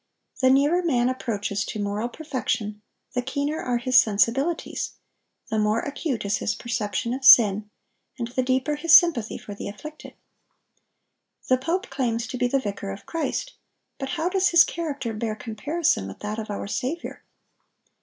The nearer man approaches to moral perfection, the keener are his sensibilities, the more acute is his perception of sin, and the deeper his sympathy for the afflicted. The pope claims to be the vicar of Christ; but how does his character bear comparison with that of our Saviour?